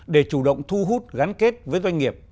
để chủ động thu hút gắn kết với doanh nghiệp